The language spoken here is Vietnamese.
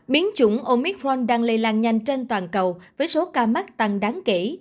biến chủng omicron đang lây lan nhanh trên toàn cầu với số ca mắc tăng đáng kỹ